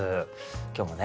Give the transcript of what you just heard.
今日もね